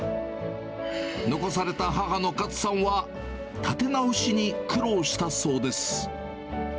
残された母の勝さんは、立て直しに苦労したそうです。